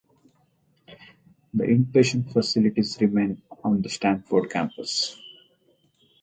The inpatient facilities remain on the Stanford campus.